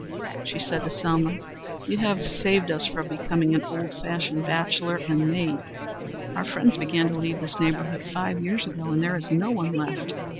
She said to Selma: "You have saved us from becoming an old fashioned bachelor and maid. Our friends began to leave this neighborhood five years ago, and there is no one left.